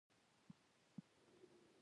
کابل د ټول افغانستان د امنیت په اړه اغېز لري.